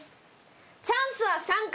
チャンスは３回。